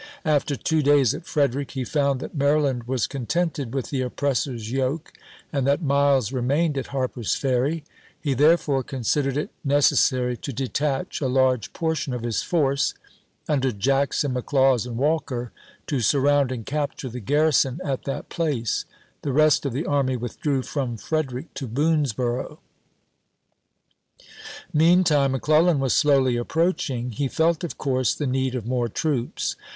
After two days at Frederick he found that Maryland was con tented with the oppressor's yoke, and that Miles remained at Harper's Ferry. He therefore con sidered it necessary to detach a large portion of his force, under Jackson, McLaws, and Walker, to surround and capture the garrison at that place ; the rest of the army withdrew from Frederick to Boonsboro'. 134 ABEAHAM LINCOLN Chap. vii. Meantime McClellan was slowly approaching. He felt, of course, the need of more troops.